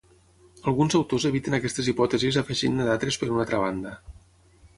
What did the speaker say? Alguns autors eviten aquestes hipòtesis afegint-ne d'altres per una altra banda.